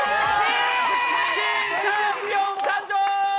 新チャンピオン誕生！